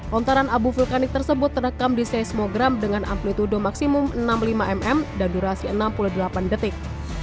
lontaran abu vulkanik tersebut terekam di seismogram dengan amplitude maksimum enam puluh lima mm dan durasi enam puluh delapan detik